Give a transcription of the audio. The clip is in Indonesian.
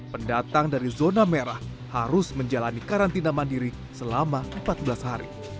pendatang dari zona merah harus menjalani karantina mandiri selama empat belas hari